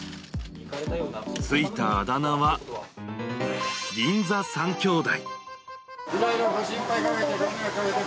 ついた、あだ名はぎんざ３兄弟。